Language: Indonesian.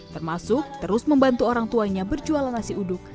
termasuk terus membantu orang tuanya berjualan nasi uduk